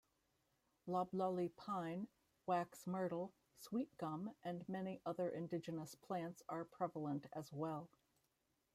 Loblolly pine, wax myrtle, sweetgum and many other indigenous plants are prevalent as well.